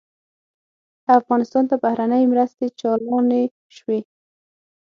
افغانستان ته بهرنۍ مرستې چالانې شوې.